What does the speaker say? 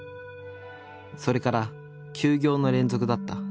それから休業の連続だった。